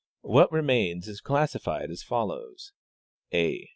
What remains is classified as follows : A.